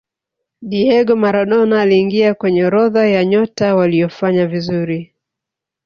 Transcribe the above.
diego maradona aliingia kwenye orodha ya nyota waliofanya vizuri